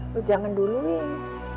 lu jangan duluin